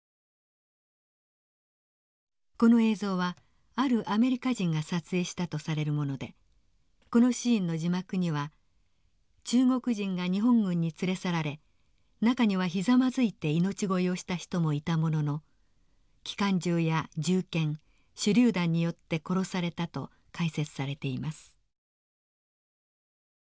この映像はあるアメリカ人が撮影したとされるものでこのシーンの字幕には「中国人が日本軍に連れ去られ中にはひざまずいて命乞いをした人もいたものの機関銃や銃剣手榴弾によって殺された」と解説されています。